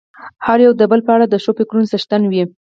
هر يو د بل په اړه د ښو فکرونو څښتن وي.